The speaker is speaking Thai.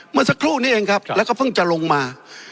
เมื่อสักครู่นี้เองครับแล้วก็เพิ่งจะลงมา